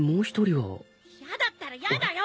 やだったらやだよ！